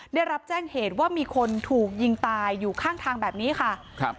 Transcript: ได้รับแจ้งเหตุว่ามีคนถูกยิงตายอยู่ข้างทางแบบนี้ค่ะครับ